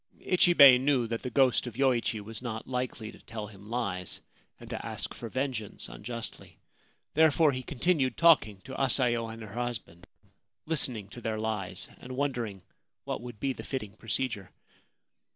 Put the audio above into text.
Ichibei knew that the ghost of Yoichi was not likely to tell him lies, and to ask for vengeance unjustly. There fore he continued talking to Asayo and her husband, listening to their lies, and wondering what would be the fitting procedure.